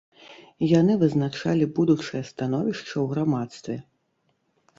Яны вызначалі будучае становішча ў грамадстве.